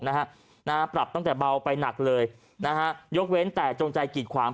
แต่ปรับตั้งแต่เบาไปหนักเลยยกเว้นแต่จงใจกิดขวาง